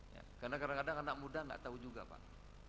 ya karena kadang kadang anak muda nggak tahu juga pak